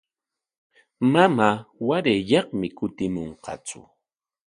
Mamaama warayyaqmi kutimunqatsu.